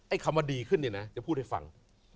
ไอ้คำว่าดีขึ้นเนี่ยนะเดี๋ยวพูดให้ฟัง